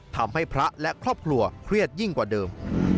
ทำให้พระและครอบครัวเครียดยิ่งกว่าเดิม